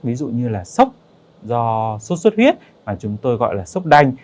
ví dụ như là sốc do sốt xuất huyết mà chúng tôi gọi là sốc đanh